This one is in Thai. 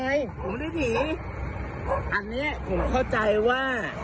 แต่เรื่องอะไรนะ